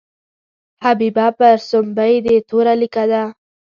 حبیبه پر سومبۍ دې توره لیکه ده.